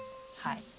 はい。